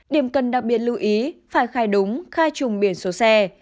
điểm cần đặc biệt lưu ý phải khai đúng khai trùng biển số xe